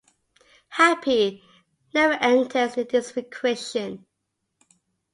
'Happy' never enters into this equation.